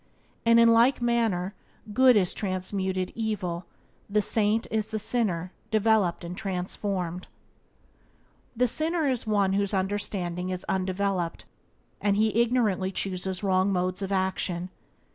And in like manner good is transmuted evil: the saint is the sinner developed and transformed. The sinner is one whose understanding is undeveloped, and he ignorantly chooses wrong modes of action.